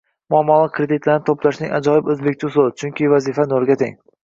Muammoli kreditlarni to'plashning ajoyib o'zbekcha usuli, chunki vazifa nolga teng